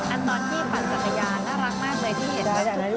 อันนอนที่ฝั่นสัญญาน่ารักมากเลย